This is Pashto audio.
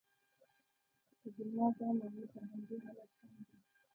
که زما دا منې، پر همدې حالت سم دي.